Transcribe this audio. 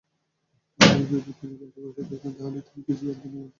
যদি তিনি বাইরে বসে থাকতেন, তাহলে তিনি কিছুই জানতেন না, বুঝতেন না।